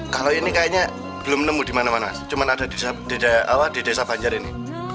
kalau ini kayaknya belum nemu di mana mana cuma ada di desa banjar ini